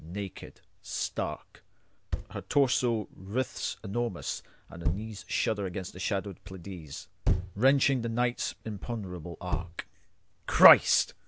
Naked, stark, Her torso writhes enormous, and her kneesShudder against the shadowed PleiadesWrenching the night's imponderable arc. Christ!